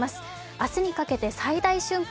明日にかけて最大瞬間